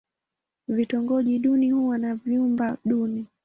Vitongoji duni huwa na vyumba duni.